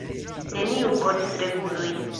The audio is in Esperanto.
Neniu konis regulojn.